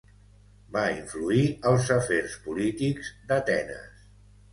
Va influir als afers polítics d'Atenes.